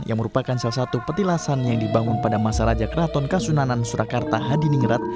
yang merupakan salah satu petilasan yang dibangun pada masa raja keraton kasunanan surakarta hadiningrat